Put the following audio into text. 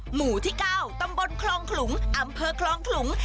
หมู่ที่๙ตำบลคลองขลุงอำเภอคลองขลุง